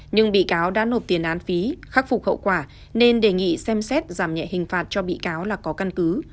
nhưng bị cáo đã nộp tiền án phí khắc phục hậu quả nên đề nghị xem xét giảm nhẹ hình phạt cho bị cáo là có căn cứ